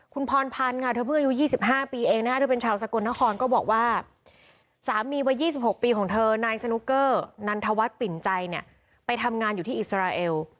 คุณพรพันธ์ค่ะเธอเพิ่งอายุ๒๕ปีเองนะคะเธอเป็นชาวสกลนครก็บอกว่าสามีวัย๒๖ปีของเธอนายสนุกเกอร์นันทวัฒน์ปิ่นใจเนี่ยไปทำงานอยู่ที่อิสราเอล